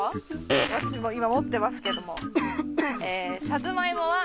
私今持ってますけども。